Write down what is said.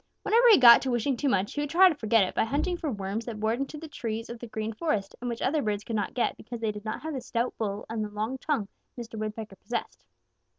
Whenever he got to wishing too much, he would try to forget it by hunting for worms that bored into the trees of the Green Forest and which other birds could not get because they did not have the stout bill and the long tongue Mr. Woodpecker possessed.